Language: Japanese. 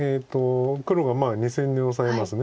黒が２線にオサえます。